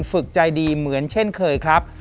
ฝึกใจดีเหมือนเช่นเคยครับ